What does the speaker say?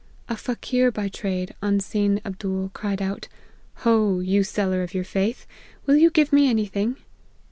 A Faqueer by trade, on seeing Abdool, cried out, 4 Ho ! you seller of (your) faith, will you give me any thing